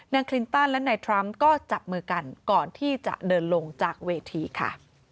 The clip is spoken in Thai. คลินตันและนายทรัมป์ก็จับมือกันก่อนที่จะเดินลงจากเวทีค่ะ